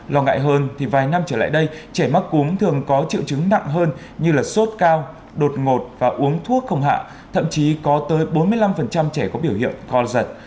lo ngại hơn thì vài năm trở lại đây trẻ mắc cúm thường có triệu chứng nặng hơn như sốt cao đột ngột và uống thuốc không hạ thậm chí có tới bốn mươi năm trẻ có biểu hiện co giật